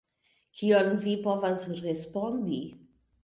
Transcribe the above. Kion vi povas respondi.